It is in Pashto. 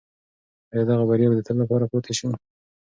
آیا دغه بریا به د تل لپاره پاتې شي؟